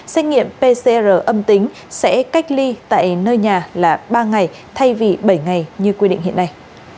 xét nghiệm pcr âm tính sẽ cách ly tại nơi nhà là ba ngày thay vì bảy ngày như quy định hiện nay